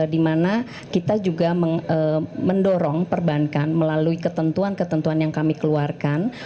dimana kita juga mendorong perbankan melalui ketentuan ketentuan yang kami keluarkan